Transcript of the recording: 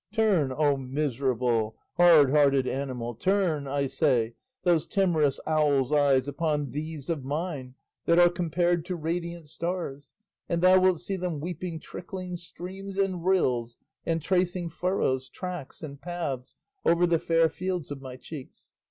Turn, O miserable, hard hearted animal, turn, I say, those timorous owl's eyes upon these of mine that are compared to radiant stars, and thou wilt see them weeping trickling streams and rills, and tracing furrows, tracks, and paths over the fair fields of my cheeks.